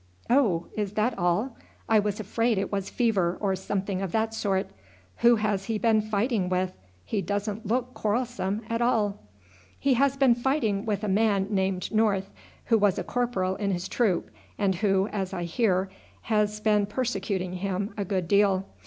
"Oh! is that all? I was afraid it was fever, or something of that sort. Who has he been fighting with? He doesn't look quarrelsome at all." "He has been fighting with a man named North, who was a corporal in his troop, and who, as I hear, has been persecuting him a good deal.